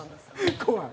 怖い。